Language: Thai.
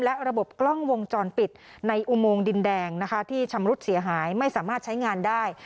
และระบบกล้องวงจรปิดในอุโมงดินแดงนะคะที่ชำรุดเสียหายไม่สามารถใช้งานได้